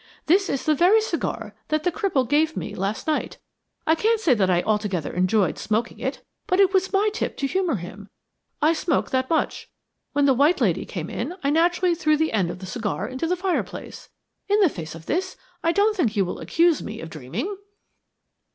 "This is the very cigar that the cripple gave me last night. I can't say that I altogether enjoyed smoking it, but it was my tip to humor him. I smoked that much. When the white lady came in I naturally threw the end of the cigar into the fireplace. In the face of this, I don't think you will accuse me of dreaming."